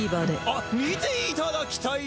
あっ見ていただきたい！